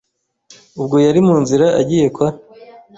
ubwo yari mu nzira agiye kwa